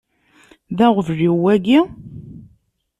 D aɣbel-iw wagi?